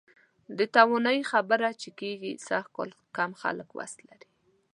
د توانایي خبره چې کېږي، سږکال کم خلک وس لري.